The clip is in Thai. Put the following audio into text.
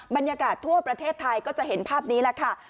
บรรยากาศทั่วประเทศไทยก็จะเห็นภาพนี้แหละค่ะ